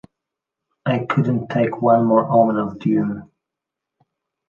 I couldn't take one more omen of doom.